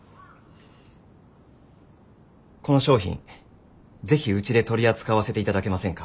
この商品是非うちで取り扱わせていただけませんか？